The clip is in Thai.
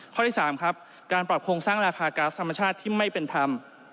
ข้อที่๓ครับการปรับโครงสร้างราคาก๊าซธรรมชาติที่ไม่เป็นธรรม